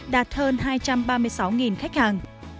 đạt hơn hai trăm ba mươi sáu khách hàng